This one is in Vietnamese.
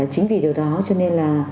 chính vì điều đó cho nên là